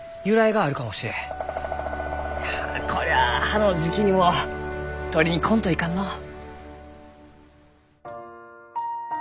こりゃあ葉の時期にも採りに来んといかんのう。